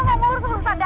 mau tahu apa sebabnya